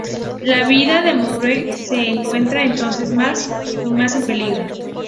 La vida de Moore se encuentra entonces más y más en peligro.